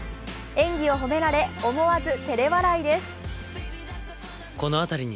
演技を褒められ思わずてれ笑いです。